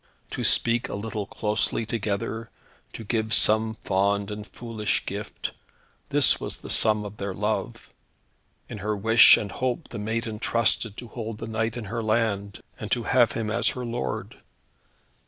To speak a little closely together; to give some fond and foolish gift; this was the sum of their love. In her wish and hope the maiden trusted to hold the knight in her land, and to have him as her lord.